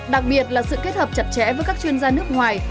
đặc biệt là sự kết hợp chặt chẽ với các chuyên gia nước ngoài